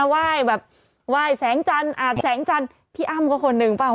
ว่ายแบบว่ายแสงจันทร์อาจแสงจันทร์พี่อ้ำก็คนนึงเปล่าอ่ะ